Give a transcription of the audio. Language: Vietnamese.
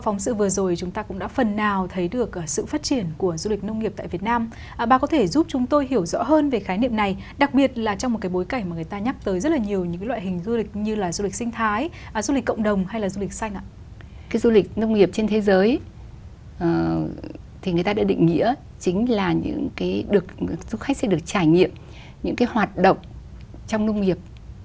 người ta đã định nghĩa chính là du khách sẽ được trải nghiệm những hoạt động trong nông nghiệp